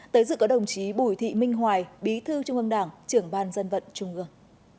tới dự có đồng chí bùi thị minh hoài bí thư trung ương đảng trưởng ban dân vận trung ương